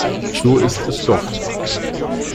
So ist es doch!